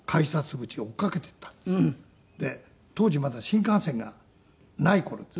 当時まだ新幹線がない頃です。